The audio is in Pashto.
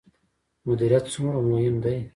مدیریت څومره مهم دی؟